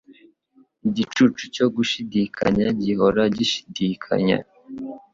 Igicucu cyo gushidikanya gihora gishidikanya